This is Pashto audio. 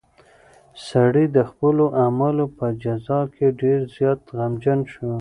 سړی د خپلو اعمالو په جزا کې ډېر زیات غمجن شو.